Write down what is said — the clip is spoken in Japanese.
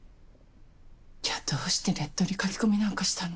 じゃどうしてネットに書き込みなんかしたの？